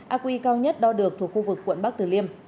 aqi cao nhất đo được thuộc khu vực quận bắc tử liêm